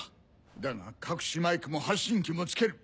だが隠しマイクも発信機もつける。